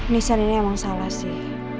nisan ini emang salah sih